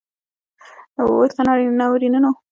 ورته ناورینونه د سمندرونو په ډېرو ټاپوګانو کې پېښ شول.